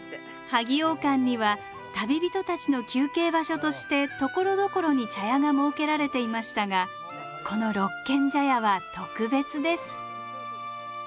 萩往還には旅人たちの休憩場所としてところどころに茶屋が設けられていましたがこの六軒茶屋は特別です。